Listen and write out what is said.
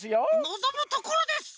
のぞむところです！